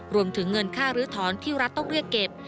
รวมถึงเงินค่าลื้อถอนที่รัฐต้องเรียกเก็บ